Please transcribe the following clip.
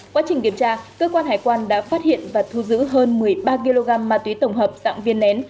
quá trình kiểm tra cơ quan hải quan đã phát hiện và thu giữ hơn một mươi ba kg ma túy tổng hợp dạng viên nén